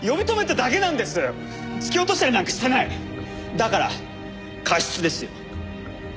だから過失ですよ。